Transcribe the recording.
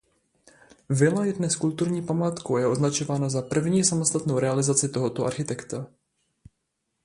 Vila je dnes kulturní památkou a je označována za první samostatnou realizaci tohoto architekta.